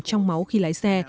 trong máu khi lái xe